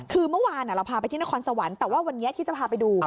คือเมื่อวานเราพาไปที่นครสวรรค์แต่ว่าวันนี้ที่จะพาไปดู